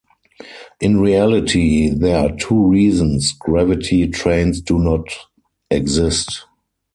In reality, there are two reasons gravity trains do not exist.